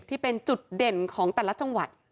ที่เป็นจุดเด่นของแต่ละจังหวัด